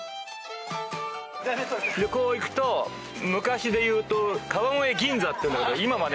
こう行くと昔でいうと川越銀座っていうんだけど今はね。